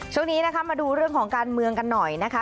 ช่วงนี้นะคะมาดูเรื่องของการเมืองกันหน่อยนะคะ